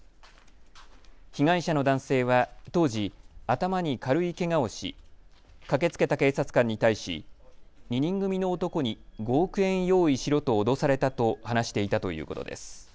被害者の男性は当時、頭に軽いけがをし駆けつけた警察官に対し２人組の男に５億円用意しろと脅されたと話していたということです。